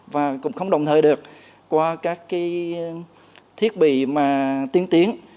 và cũng không đồng thời được qua các thiết bị mà tiên tiến